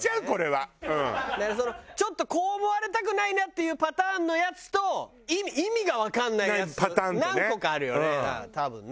だからそのちょっとこう思われたくないなっていうパターンのやつと意味がわかんないやつ何個かあるよね多分ね。